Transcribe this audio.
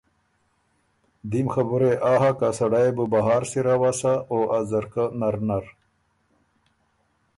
دیم خبُره يې آ هۀ که ا سړئ يې بُو بهار سِر اؤسا او ا ځرکۀ نر زر۔